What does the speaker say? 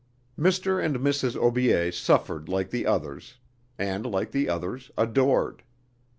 Mr. and Mrs. Aubier suffered like the others, and like the others adored.